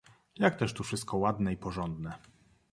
"jak też tu wszystko ładne i porządne!"